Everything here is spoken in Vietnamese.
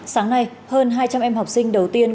sáng nay hơn hai trăm linh em học sinh đầu tiên